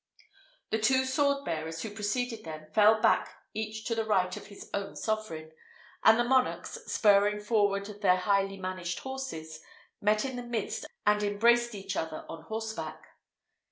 The two sword bearers who preceded them fell back each to the right of his own sovereign; and the monarchs, spurring forward their highly managed horses, met in the midst and embraced each other on horseback.